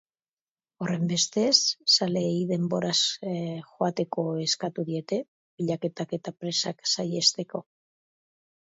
Horrenbestez, zaleei denboraz joateko eskatu diete, pilaketak eta presak saihesteko.